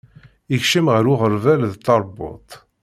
Ikeččem gar uɣeṛbal d teṛbuḍt.